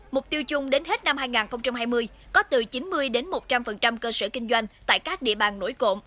mục tiêu chung đến hết năm hai nghìn hai mươi có từ chín mươi một trăm linh cơ sở kinh doanh tại các địa bàn nổi cộm